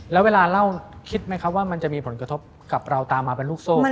แล้วเวลาเล่าคิดไหมครับว่ามันจะมีผลกระทบกับเราตามมาเป็นลูกโซ่